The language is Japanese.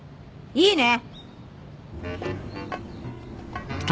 いいね？